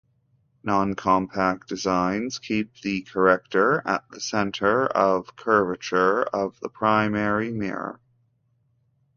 Non-compact designs keep the corrector at the center of curvature of the primary mirror.